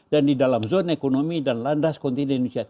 dan di dalam zone ekonomi dan landas kontinen indonesia